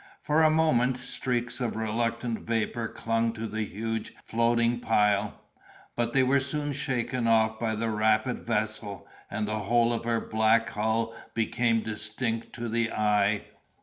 For a moment, streaks of reluctant vapor clung to the huge floating pile; but they were soon shaken off by the rapid vessel, and the whole of her black hull became distinct to the eye.